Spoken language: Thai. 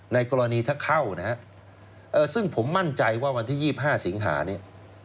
ในกรณีถ้าเข้านะฮะซึ่งผมมั่นใจว่าวันที่๒๕สิงหาเนี่ย